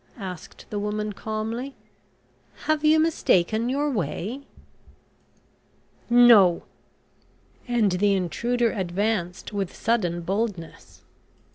asked the woman calmly. "Have you mistaken your way?" "No," and the intruder advanced with sudden boldness.